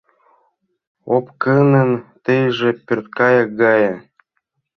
Опкынын тийже пӧрткайык гае...